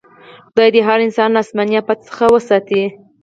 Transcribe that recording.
خدای دې هر انسان له اسماني افت څخه وساتي.